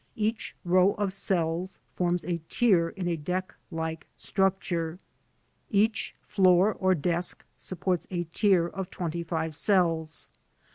Each row of cells forms a tier in a deck like structure. Each floor or desk supports a tier of twenty five cells.